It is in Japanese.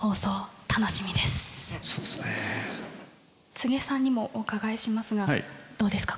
柘植さんにもお伺いしますがどうですか？